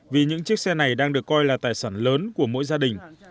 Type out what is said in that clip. vì những chiếc xe này đang được coi là tài sản lớn của mỗi gia đình